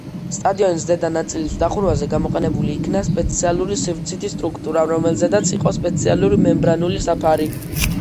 სტადიონის ზედა ნაწილის დახურვაზე, გამოყენებული იქნა სპეციალური სივრცითი სტრუქტურა, რომელზედაც იყო სპეციალური მემბრანული საფარი.